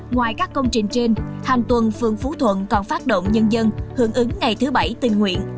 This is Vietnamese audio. ngoài các công trình trên hàng tuần phương phú thuận còn phát động nhân dân hưởng ứng ngày thứ bảy tình nguyện